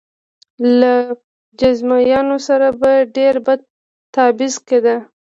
له جذامیانو سره به ډېر بد تبعیض کېده.